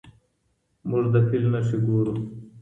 موږ د فیل نښې ګورو.